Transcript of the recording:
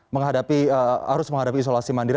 menghadapi harus menghadapi isolasi mandiri